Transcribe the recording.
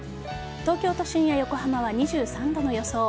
東京都心や横浜は２３度の予想。